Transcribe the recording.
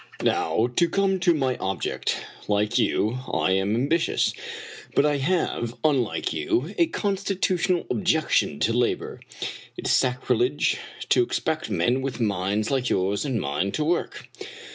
" Now, to come to my object. Like you, I am ambi tious; but I have, unlike you, a constitutional objection to labor. It is sacrilege to expect men with minds like yours and mine to work.